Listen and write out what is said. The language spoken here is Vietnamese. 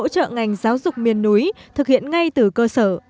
các ngành giáo dục miền núi thực hiện ngay từ cơ sở